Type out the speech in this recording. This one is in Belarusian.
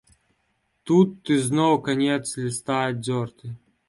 Тут ізноў канец ліста аддзёрты.